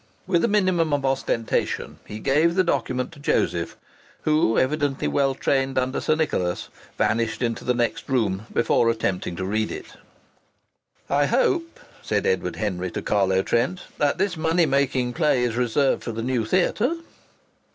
With a minimum of ostentation he gave the document to Joseph, who, evidently well trained under Sir Nicholas, vanished into the next room before attempting to read it. "I hope," said Edward Henry to Carlo Trent, "that this money making play is reserved for the new theatre?"